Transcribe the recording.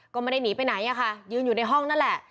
ก็ไม่ได้หนีไปไหนอะค่ะยืนอยู่ในห้องนั่นแหละ